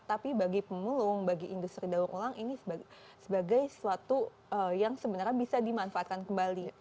tapi bagi pemulung bagi industri daur ulang ini sebagai sesuatu yang sebenarnya bisa dimanfaatkan kembali